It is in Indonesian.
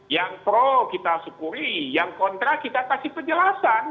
yang pro kita syukuri yang kontra kita kasih penjelasan